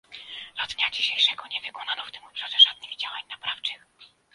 Do dnia dzisiejszego nie wykonano w tym obszarze żadnych działań naprawczych